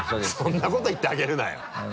そんなこと言ってあげるなよ！